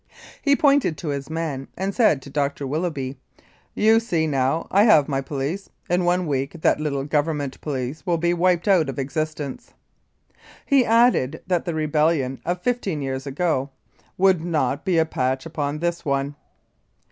He pointed to his men, and said to Dr. Willoughby, "You see now I have my police. In one week that little Government police will be wiped out of existence." He added that the rebellion of fifteen years ago "would not be a patch upon this one."